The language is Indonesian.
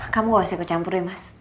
kamu gak usah ikut campurin mas